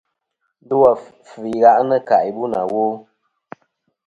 Ndo àfɨ i ghaʼnɨ kaʼ yì bu nà wo.